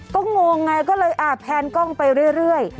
ก็งงไงก็เลยแพนกล้องไปเรื่อย